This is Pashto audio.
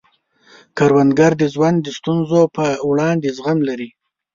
کروندګر د ژوند د ستونزو په وړاندې زغم لري